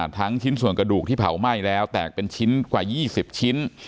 ชิ้นส่วนกระดูกที่เผาไหม้แล้วแตกเป็นชิ้นกว่า๒๐ชิ้น